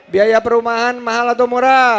biaya perumahan mahal atau murah